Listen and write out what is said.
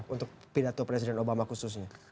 untuk pidato presiden obama khususnya